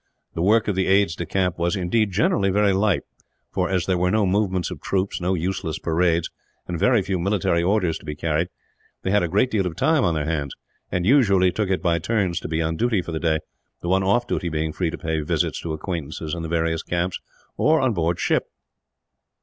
The work of the aides de camp was, indeed, generally very light for, as there were no movements of troops, no useless parades, and very few military orders to be carried, they had a great deal of time on their hands; and usually took it by turns to be on duty for the day, the one off duty being free to pay visits to acquaintances in the various camps, or on board ship.